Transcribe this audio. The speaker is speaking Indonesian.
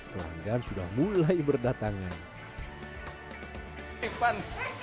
pelanggan sudah mulai berdatangan